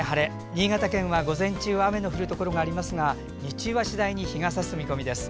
新潟県は午前中は雨の降るところがありますが日中は次第に日がさす見込みです。